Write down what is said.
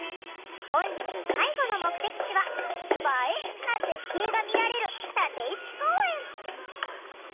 本日最後の目的地は「映え」な絶景が見られる立石公園！